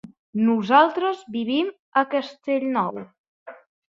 Nosaltres vivim a Castellnou.